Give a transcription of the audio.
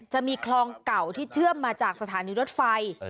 จะมีคลองเก่าที่เชื่อมมาจากสถานีรถไฟ